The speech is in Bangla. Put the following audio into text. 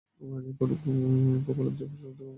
অপরাধী এখন কোভালাম চেক পোস্ট অতিক্রম করছে, ওভার।